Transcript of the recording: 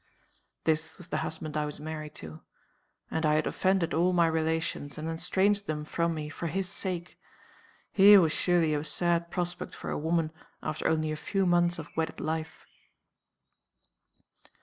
"This was the husband I was married to. And I had offended all my relations, and estranged them from me, for his sake. Here was surely a sad prospect for a woman after only a few months of wedded life!